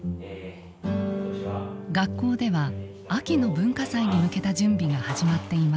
学校では秋の文化祭に向けた準備が始まっていました。